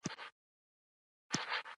دا مروجه او ډاډمنه طریقه ده